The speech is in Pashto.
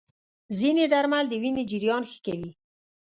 ځینې درمل د وینې جریان ښه کوي.